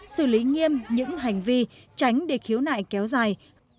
xử lý nghiêm những hành vi tránh để khiếu nại kéo dài